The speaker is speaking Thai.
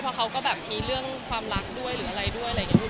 เพราะเขาก็แบบมีเรื่องความรักด้วยหรืออะไรด้วยอะไรอย่างนี้